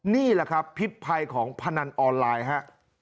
นี่แหละครับพิษภัยของพนันออนไลน์ฮะ